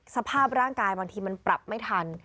สภาพร่างกายบางทีมันปรับไม่ทัน